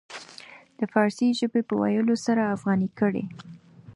د فارسي ژبې په ويلو سره افغاني کړي.